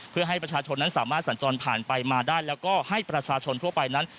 เพื่อให้ประชาชนนั้นสามารถสัญจรผ่านไปมาได้แล้วก็ให้ประชาชนทั่วไปนั้น